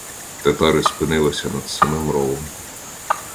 Татари спинилися над самим ровом.